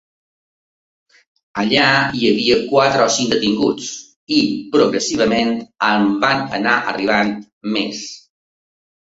Allà hi havia quatre o cinc detinguts, i progressivament en van anar arribant més.